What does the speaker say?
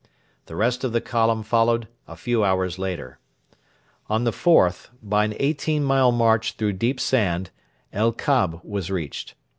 The rest of the column followed a few hours later. On the 4th, by an eighteen mile march through deep sand, El Kab was reached.